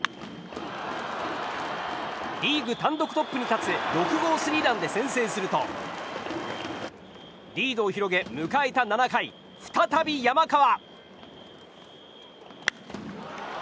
リーグ単独トップに立つ６号スリーランで先制するとリードを広げ迎えた７回再び山川。